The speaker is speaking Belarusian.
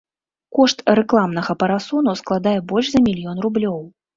Кошт рэкламнага парасону складае больш за мільён рублёў.